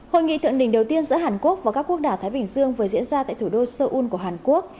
hội nghị thượng đỉnh đầu tiên giữa hàn quốc và các quốc đảo thái bình dương vừa diễn ra tại thủ đô seoul của hàn quốc